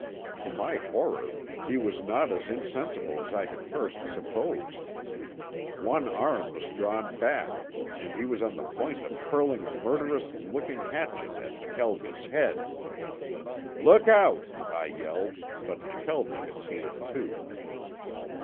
To my horror he was not as insensible as I had at first supposed. One arm was drawn back and he was on the point of hurling a murderous looking hatchet at McKelvie's head. "Look out," I yelled, but McKelvie had seen him too.